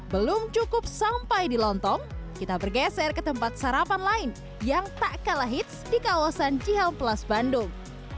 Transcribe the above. belum cukup sampai di lontong kita bergeser ke tempat sarapan lain yang tak kalah hits di kawasan cihamplas bandung